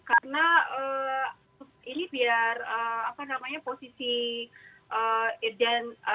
karena ini biar posisi irjan